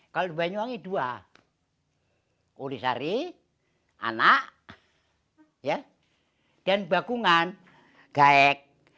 kalau di banyuwangi dua kulisari anak dan bakungan gaek